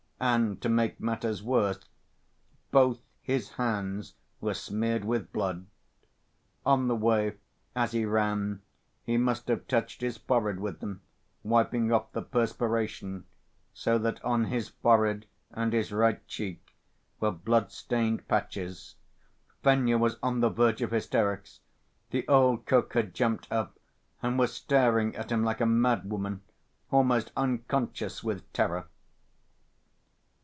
And to make matters worse, both his hands were smeared with blood. On the way, as he ran, he must have touched his forehead with them, wiping off the perspiration, so that on his forehead and his right cheek were blood‐stained patches. Fenya was on the verge of hysterics. The old cook had jumped up and was staring at him like a mad woman, almost unconscious with terror.